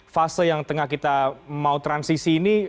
fase yang tengah kita mau transisi ini